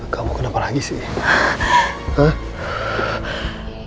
kamu kenapa lagi sih